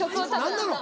何なの？